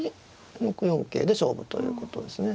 あっ６六桂で勝負ということです。